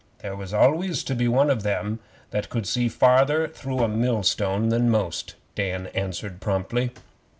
There was always to be one of them that could see farther through a millstone than most,' Dan answered promptly.